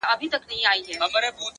هره ورځ د اصلاح نوې موقع ده.!